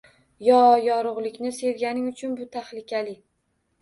Yo qorong’ulikni sevganing uchun bu tahlikali